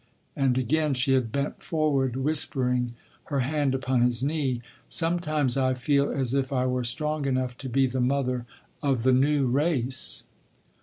And again, she had bent forward whispering, her hand upon his knee: "Sometimes I feel as if I were strong enough to be the mother of the new race."